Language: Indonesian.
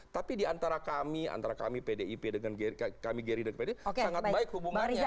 tapi di antara kami antara kami pdip dengan gerindra sangat baik hubungannya